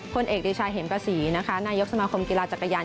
คนเอกดิชายเห็มกษีนายกสมาคมกีฬาจักรยาน